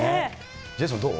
ジェイソン、どう？